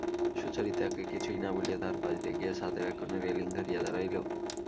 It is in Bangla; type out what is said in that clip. সুচরিতাকে কিছুই না বলিয়া তাহার পাশ দিয়া গিয়া ছাতের এক কোণে রেলিং ধরিয়া দাঁড়াইল।